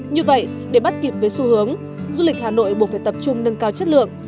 như vậy để bắt kịp với xu hướng du lịch hà nội buộc phải tập trung nâng cao chất lượng